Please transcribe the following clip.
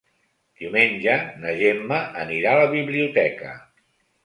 Diumenge na Gemma anirà a la biblioteca.